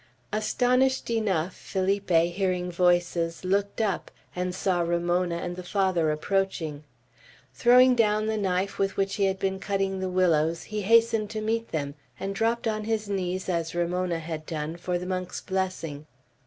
Astonished enough, Felipe, hearing voices, looked up, and saw Ramona and the Father approaching. Throwing down the knife with which he had been cutting the willows, he hastened to meet them, and dropped on his knees, as Ramona had done, for the monk's blessing.